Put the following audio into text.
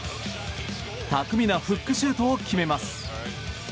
巧みなフックシュートを決めます。